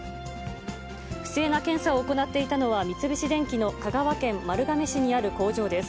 不正な検査を行っていたのは、三菱電機の香川県丸亀市にある工場です。